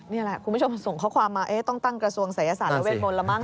นี่แหละคุณผู้ชมส่งข้อความมาต้องตั้งกระทรวงศัยศาสตร์และเวทมนต์แล้วมั้